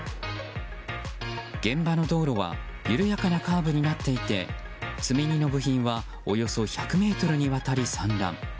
現場の道路は緩やかなカーブになっていて積み荷の部品はおよそ１００ｍにわたり散乱。